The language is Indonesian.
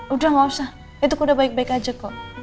udah gak usah itu kuda baik baik aja kok